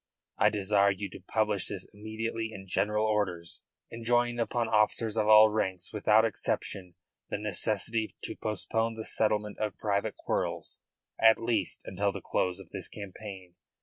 I desire you to publish this immediately in general orders, enjoining upon officers of all ranks without exception the necessity to postpone the settlement of private quarrels at least until the close of this campaign.